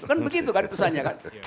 kan begitu kan itu saja kan